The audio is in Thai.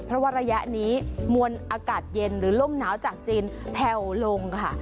เพราะว่าระยะนี้มวลอากาศเย็นหรือลมหนาวจากจีนแผ่วลงค่ะ